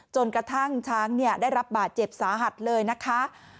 จนกระทั่งช้างได้รับบาดเจ็บสาหัสเลยนะคะ